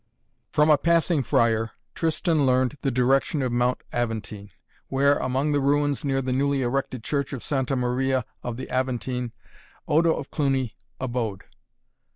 From a passing friar Tristan learned the direction of Mount Aventine, where, among the ruins near the newly erected Church of Santa Maria of the Aventine, Odo of Cluny abode.